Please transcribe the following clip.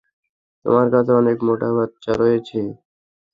তোমার কাছে অনেক মোটা বাচ্চা রয়েছে!